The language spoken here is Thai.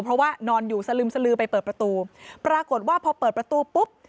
เพราะว่านอนอยู่สลึมสลือไปเปิดประตูปรากฏว่าพอเปิดประตูปุ๊บ